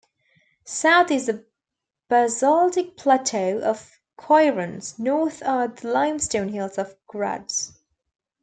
South is the basaltic plateau of Coirons, North are the limestone hills of "Grads".